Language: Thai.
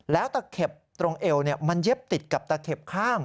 แล้วตะเข็บตรงเอวมันเย็บติดกับตะเข็บข้าง